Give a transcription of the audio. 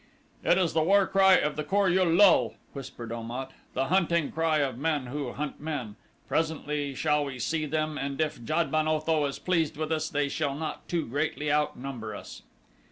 "It is the war cry of the Kor ul lul," whispered Om at "the hunting cry of men who hunt men. Presently shall we see them and if Jad ben Otho is pleased with us they shall not too greatly outnumber us."